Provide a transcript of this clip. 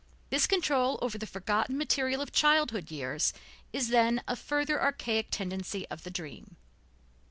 This control over the forgotten material of childhood years is, then, a further archaic tendency of the dream.